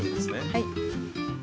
はい。